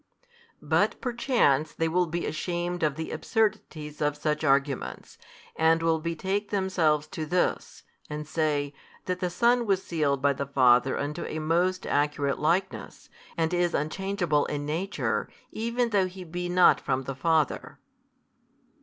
But perchance they will Be ashamed of the absurdities of such arguments, and will betake themselves to this, and say, that the Son was sealed by the Father unto a most accurate Likeness, and is Unchangeable in Nature, even though He be not from the Father.